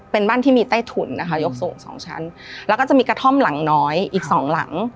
เป็นบ้านที่มีใต้ถุนนะคะยกสูงสองชั้นแล้วก็จะมีกระท่อมหลังน้อยอีกสองหลัง